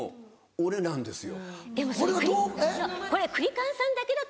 そうなんですよ。